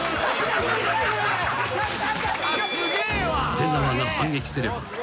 ［出川が反撃すれば］